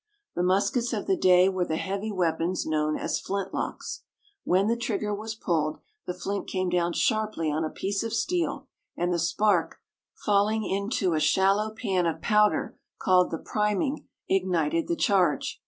The muskets of the day were the heavy weapons known as flint locks. When the trigger was pulled the flint came down sharply on a piece of steel, and the spark, falling into a shallow "pan" of powder called the "priming," ignited the charge.